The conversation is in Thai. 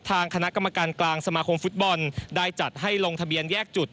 ทางคณะกรรมการกลางสมาคมฟุตบอลได้จัดให้ลงทะเบียนแยกจุด